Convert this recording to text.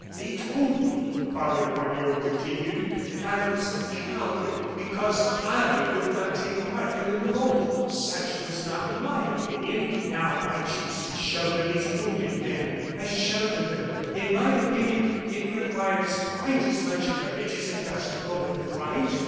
"They told me," Father Poignot continued, "that I was a coward, because I would not take part in the revolt. Such was not my opinion. Now I choose to shelter these wounded men I shelter them. In my opinion, it requires quite as much courage as it does to go and fight."